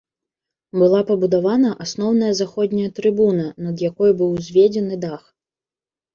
Была пабудавана асноўная заходняя трыбуна, над якой быў узведзены дах.